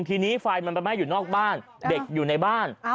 ทีนี้ไฟมันไปไหม้อยู่นอกบ้านเด็กอยู่ในบ้าน